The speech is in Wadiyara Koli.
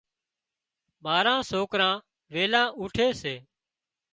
ماران سوڪران ويلان اُوٺي سي۔